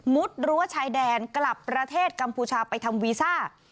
รั้วชายแดนกลับประเทศกัมพูชาไปทำวีซ่า